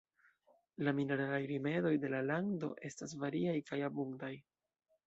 La mineralaj rimedoj de la lando estas variaj kaj abundaj.